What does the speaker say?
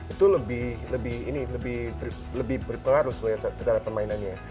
itu lebih berpengaruh sebenarnya secara permainannya